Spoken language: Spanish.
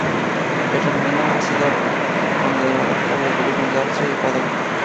Hernán Mena ha sido condecorado por los gobiernos de Austria y Ecuador.